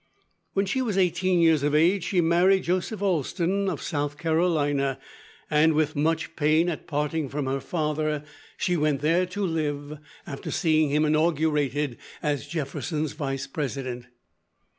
When she was eighteen years of age, she married Joseph Alston of South Carolina, and, with much pain at parting from her father, she went there to live, after seeing him inaugurated as Jefferson's Vice President.